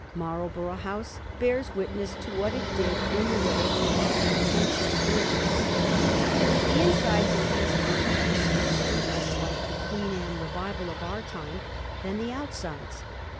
Marlborough House bears witness to what it did in the way of more pretentious buildings. The insides of these houses were scarcely less^ like the ' Queen Anne revival ' of our time than the outsides.